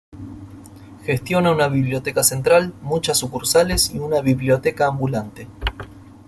Gestiona una Biblioteca Central, muchas sucursales, y una Biblioteca Ambulante.